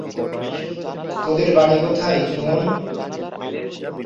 এখানে যে প্রজাতিটি জন্মায়, সেটি হল কিউ, যেটি প্রক্রিয়াজাতকরণ শিল্পের জন্য আদর্শ।